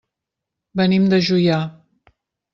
Venim de Juià.